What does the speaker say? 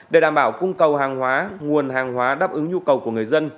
để đảm bảo cung cầu hàng hóa nguồn hàng hóa đáp ứng nhu cầu của người dân